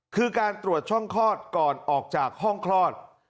คือการตรวจช่องคลอดก่อนออกจากห้องคลอด